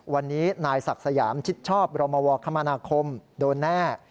วันนี้นายศักดิ์สยามชิดชอบรมวคมนาคมโดนแน่